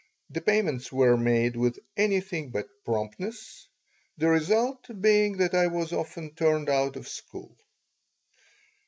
The payments were made with anything but promptness, the result being that I was often turned out of school.